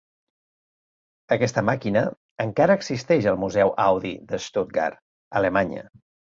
Aquesta màquina encara existeix al museu Audi de Stuttgart, Alemanya.